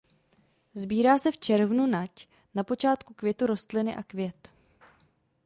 Sbírá se v červnu nať na počátku květu rostliny a květ.